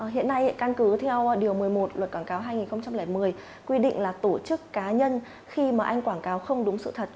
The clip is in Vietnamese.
hiện nay căn cứ theo điều một mươi một luật quảng cáo hai nghìn một mươi quy định là tổ chức cá nhân khi mà anh quảng cáo không đúng sự thật